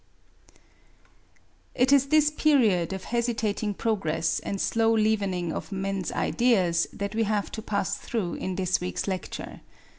It is this period of hesitating progress and slow leavening of men's ideas that we have to pass through in this week's lecture.